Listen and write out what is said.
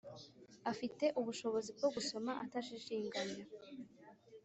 afite- ubushobozi bwo gusoma atajijinganya,